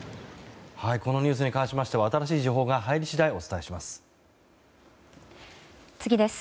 このニュースに関しては新しい情報が入り次第お伝えします。